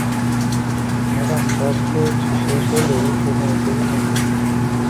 Madam, সাজগোজ শেষ হলে এবার বের হোন!